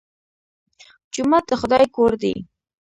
جومات د خدای کور دی